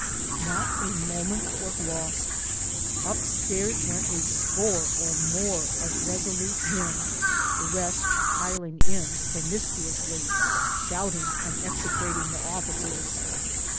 Not a moment was lost. Up stairs went a score or more of resolute men the rest " piling in" pro miscuously, shouting and execrating the officers.